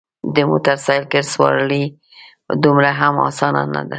د موټرسایکل سوارلي دومره هم اسانه نده.